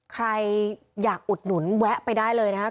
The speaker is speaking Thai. ใครอยากอุดหนุนแวะไปได้เลยนะครับ